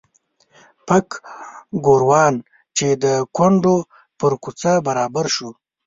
پک ګوروان چې د کونډو پر کوڅه برابر شو.